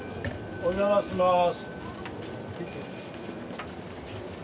お邪魔します。